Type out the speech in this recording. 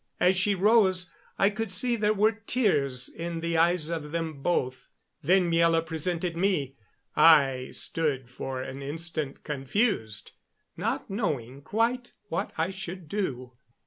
As she rose I could see there were tears in the eyes of them both. Then Miela presented me. I stood for an instant, confused, not knowing quite what I should do.